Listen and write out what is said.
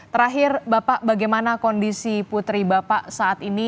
terakhir bapak bagaimana kondisi putri bapak saat ini